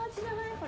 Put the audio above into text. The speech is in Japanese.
これ。